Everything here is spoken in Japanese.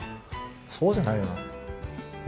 そうじゃないよなって。